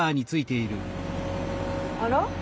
あら？